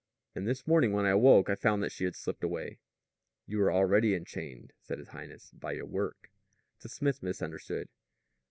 And this morning when I awoke I found that she had slipped away." "You were already enchained," said his highness, "by your work." The smith misunderstood.